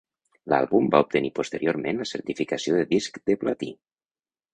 L'àlbum va obtenir posteriorment la certificació de disc de platí.